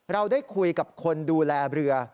เราได้คุยกับคนดูแลเรือ